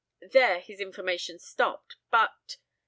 There his information stopped. ... But